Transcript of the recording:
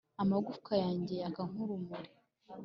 amagufwa yanjye yaka nkurumuri